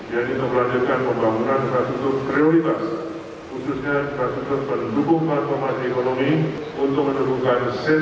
yang itu melanjutkan pembangunan prasutur prioritas khususnya prasutur pendukung performa ekonomi